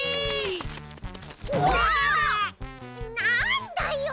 なんだよ！